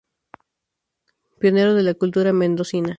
Pionero de la cultura mendocina.